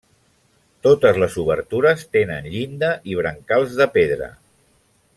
Totes les obertures tenen llinda i brancals de pedra.